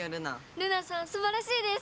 ルナさんすばらしいです！